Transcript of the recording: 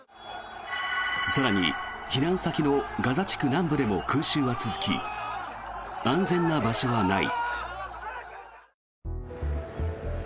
更に、避難先のガザ地区南部でも空襲は続き安全な場所はない。